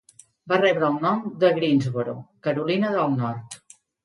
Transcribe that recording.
Va rebre el nom de Greensboro, Carolina del Nord.